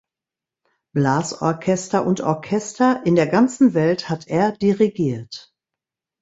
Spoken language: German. Blasorchester und Orchester in der ganzen Welt hat er dirigiert.